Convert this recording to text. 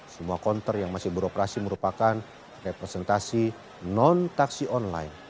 semua konter yang masih beroperasi merupakan representasi non taksi online